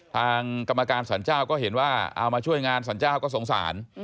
ทางกรรมการสรรเจ้าก็เห็นว่าเอามาช่วยงานสรรเจ้าก็สงสาร